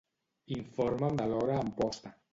Informa'm de l'hora a Amposta.